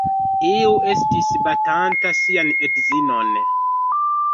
Iu estis batanta sian edzinon.